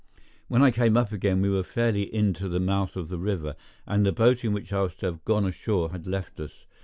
When I came up again we were fairly into the mouth of the river, and the boat in which I was to have gone ashore had left us.